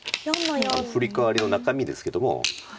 フリカワリの中身ですけども。